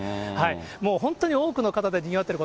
もう本当に多くの方でにぎわってる